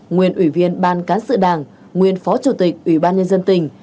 nguyên ủy viên ban cán sự đảng nguyên phó chủ tịch ủy ban nhân dân tỉnh